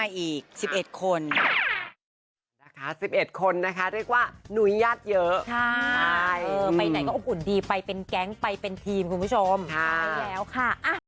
อันนี้เพิ่มมาอีก๑๑คนใช่เพิ่มมาอีก๑๑คน